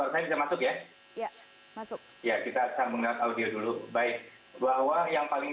baik suara saya bisa masuk ya